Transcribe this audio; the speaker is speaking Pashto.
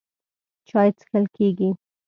چای څښل کېږي.